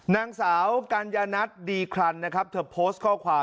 นางสาวกัญญานัทดีคลันนะครับเธอโพสต์ข้อความ